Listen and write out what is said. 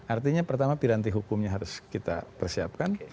artinya pertama piranti hukumnya harus kita persiapkan